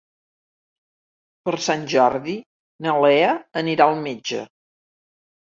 Per Sant Jordi na Lea anirà al metge.